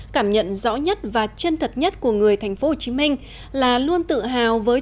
cảm nhận rõ nhất và chân thật nhất của người thành phố hồ chí minh là luôn tự hào với